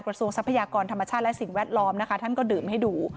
กระทรวงทรัพยากรธรรมชาติและสิ่งแวดล้อมท่านก็ดื่มให้ดู